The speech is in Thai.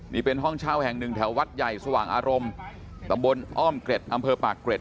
นี่เป็นห้องเช่าแห่งหนึ่งแถววัดใหญ่สว่างอารมณ์ตำบลอ้อมเกร็ดอำเภอปากเกร็ด